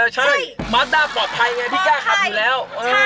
ใช่มาร์ตด้ามปลอดภัยมั้ยที่กล้าขับอยู่แล้ว